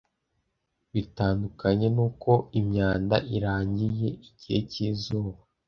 bitandukanye n'uko imyanda irangiye igihe cyizuba